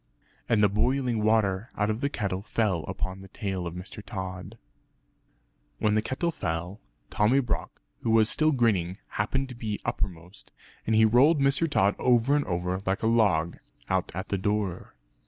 And the boiling water out of the kettle fell upon the tail of Mr. Tod. When the kettle fell, Tommy Brock, who was still grinning, happened to be uppermost; and he rolled Mr. Tod over and over like a log, out at the door.